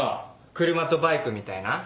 車とバイクみたいな。